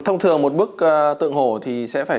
thông thường một bức tượng hổ thì sẽ phải